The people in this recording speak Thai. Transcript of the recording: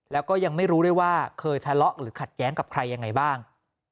แล้วก็ยังไม่รู้ด้วยว่าเคยทะเลาะหรือขัดแย้งกับใครยังไงบ้าง